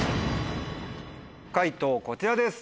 解答こちらです。